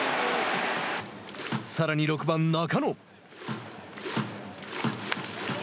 さらに６番中野。